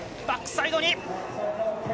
バックサイドに。